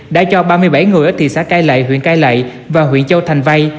đã cho ba mươi bảy người ở thị xã cai lệ huyện cai lệ và huyện châu thành vay